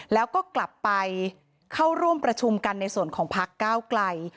แล้วก็กลับไปเข้าร่วมประชุมกันในส่วนของพักก้าวไกล